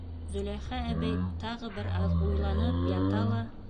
Зөләйха әбей тағы бер аҙ уйланып ята ла: